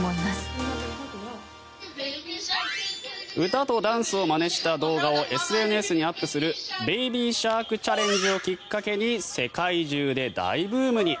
歌とダンスをまねした動画をＳＮＳにアップする「ベイビー・シャークチャレンジ」をきっかけに世界中で大ブームに。